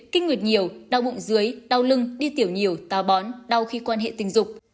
kinh nguyệt nhiều đau bụng dưới đau lưng đi tiểu nhiều táo bón đau khi quan hệ tình dục